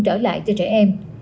trở lại cho trẻ em